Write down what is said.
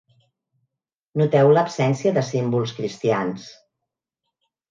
Noteu l'absència de símbols cristians.